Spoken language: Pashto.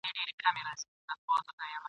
کشکي ستاسي په څېر زه هم الوتلای ..